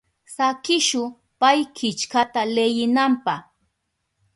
Sakishu pay killkata leyinanpa.